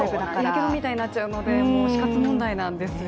やけどみたいになっちゃうので死活問題なんですよ。